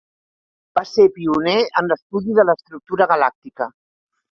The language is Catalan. Va ser pioner en l'estudi de l'estructura galàctica.